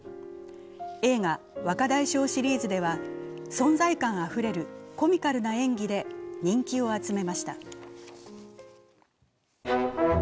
映画「若大将」シリーズでは存在感あふれるコミカルな演技で人気を集めました。